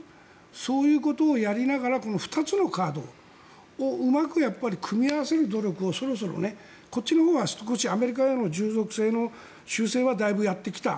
そういうことをやりながらこの２つのカードをうまく組み合わせる努力を少しアメリカへの従属性の修正はだいぶやってきた。